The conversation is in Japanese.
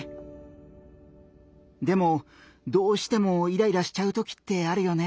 でもどうしてもイライラしちゃうときってあるよね？